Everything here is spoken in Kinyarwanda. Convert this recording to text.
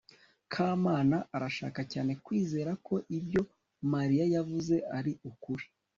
kamana arashaka cyane kwizera ko ibyo mariya yavuze ari ukuri